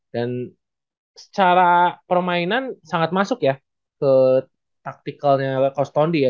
dan secara permainan sangat masuk ya ke tacticalnya kostondi ya